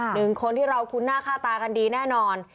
หนึ่งคนที่เราคุ้นหน้าค่าตากันดีแน่นอน